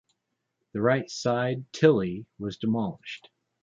The right-side Tillie was demolished.